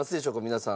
皆さん。